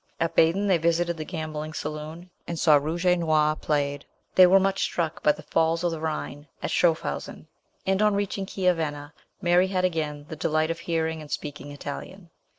At Baden they visited the gambling saloon, and saw Rouge et Noir played. They were much struck by the Falls of the Rhine at Schaffhausen ; and, on reaching Chiavenna, Mary had again the delight of hearing and speaking Italian.